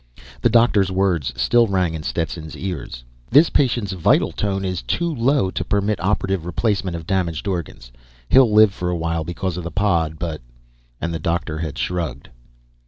The doctor's words still rang in Stetson's ears: "This patient's vital tone is too low to permit operative replacement of damaged organs. He'll live for a while because of the pod, but " And the doctor had shrugged.